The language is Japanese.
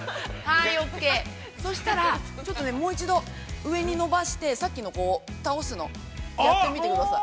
そしたら、ちょっともう一度、上に伸ばして、さっきの倒すの、やってみてください。